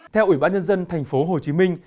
theo ủy ban nhân dân thành phố hồ chí minh